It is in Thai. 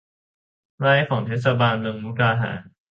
ไร่ของเทศบาลเมืองมุกดาหาร